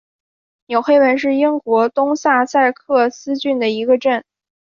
纽黑文是英国东萨塞克斯郡的一个镇。